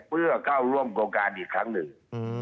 เพื่อเข้าร่วมโครงการอีกครั้งหนึ่ง